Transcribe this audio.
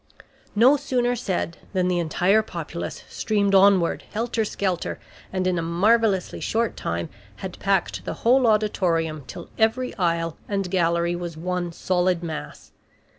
No sooner said than the entire populace streamed onward, helter skelter, and in a marvelously short time had packed the whole auditorium till every aisle and gallery was one solid mass.